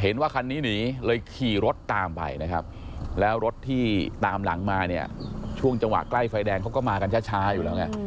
เห็นว่าคันนี้หนีเลยขี่รถตามไปนะครับแล้วรถที่ตามหลังมาเนี่ยช่วงจังหวะใกล้ไฟแดงเขาก็มากันช้าอยู่แล้วไง